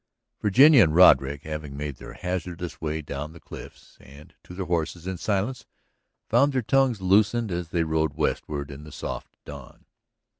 Virginia and Roderick, having made their hazardous way down the cliffs and to their horses in silence, found their tongues loosened as they rode westward in the soft dawn.